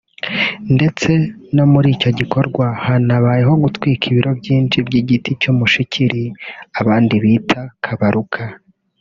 ndetse muri icyo gikorwa hanabayeho gutwika ibiro byinshi by’igiti cy’umushikiri abandi bita Kabaruka